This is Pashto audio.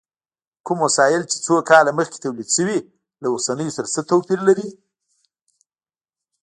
کوم وسایل چې څو کاله مخکې تولید شوي، له اوسنیو سره څه توپیر لري؟